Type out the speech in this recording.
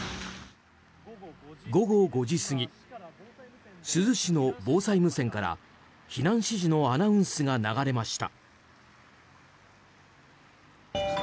午後５時過ぎ珠洲市の防災無線から避難指示のアナウンスが流れました。